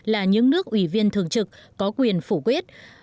là những nước ủy viên thường trực có quyền phủ quyết